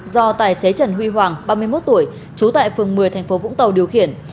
do tài xế trần huy hoàng ba mươi một tuổi trú tại phường một mươi thành phố vũng tàu điều khiển